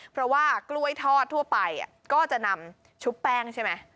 เพราะว่ากล้วยทอดทั่วไปก็จะนำชุบแป้งใช่ไหม